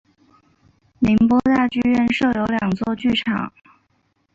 宁波大剧院设有两座剧场。